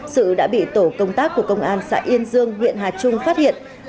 sự đã bị tổ công tác của công an xã yên dương huyện hà trung phát hiện